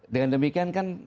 dengan demikian kan